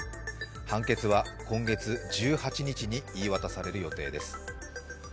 判決は今月１８日に言い渡される予定です。